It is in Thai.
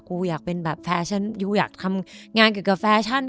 กูอยากเป็นแบบแฟชั่นยูอยากทำงานกับกาแฟชั่น